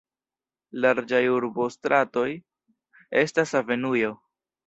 Larĝaj urbostratoj estas avenuoj.